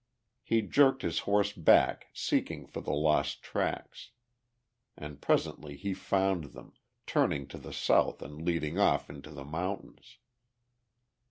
He jerked his horse back seeking for the lost tracks. And presently he found them, turning to the south and leading off into the mountains.